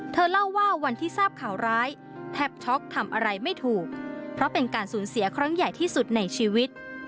เธอเล่าว่าวันที่ทราบข่าวร้ายแทบช็อกทำอะไรไม่ถูกเพราะเป็นการสูญเสียครั้งใหญ่ที่สุดในชีวิต